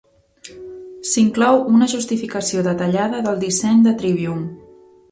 S'inclou una justificació detallada del disseny de Trivium.